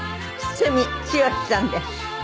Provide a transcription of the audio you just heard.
堤剛さんです。